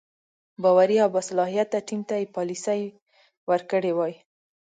باوري او باصلاحیته ټیم ته یې پالیسي ورکړې وای.